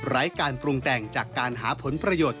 การปรุงแต่งจากการหาผลประโยชน์